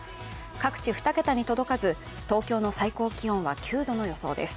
各地、２桁に届かず、東京の最高気温は９度の予想です。